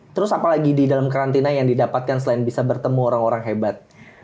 terus apalagi di dalam karantina yang didapatkan selain bisa bertemu orang orang hebat